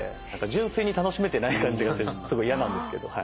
純粋に楽しめてない感じがしてすごい嫌なんですけど。